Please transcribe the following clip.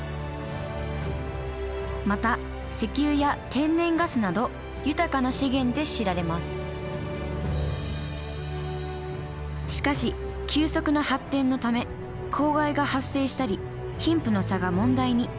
また石油や天然ガスなど豊かな資源で知られますしかし急速な発展のため公害が発生したり貧富の差が問題に。